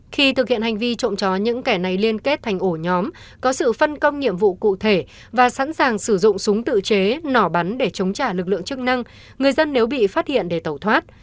khi thực hiện hành vi trộm chó những kẻ này liên kết thành ổ nhóm có sự phân công nhiệm vụ cụ thể và sẵn sàng sử dụng súng tự chế nỏ bắn để chống trả lực lượng chức năng người dân nếu bị phát hiện để tẩu thoát